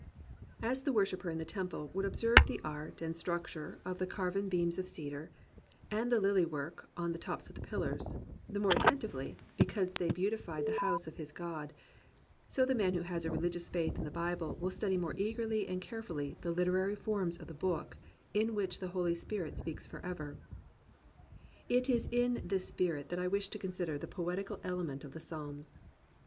As the worshipper in the Temple would observe the art and structure of the carven beams of cedar and the hly work on the tops of the pillars the more attentively because they beautified the house of his God, so the man who has a religious faith in the Bible will study more eagerly and carefully the literary forms of the book in which the Holy Spirit speaks forever. It is in this spirit that I wish to consider the poeti 36 POETRY IN THE PSALMS cal element in the Psalms.